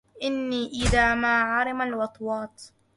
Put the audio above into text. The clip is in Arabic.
إني إذا ما عرم الوطواط